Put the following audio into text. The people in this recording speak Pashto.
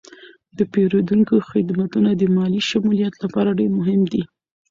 د پیرودونکو خدمتونه د مالي شمولیت لپاره ډیر مهم دي.